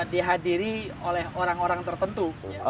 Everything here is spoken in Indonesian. dihadiri oleh orang orang tertentu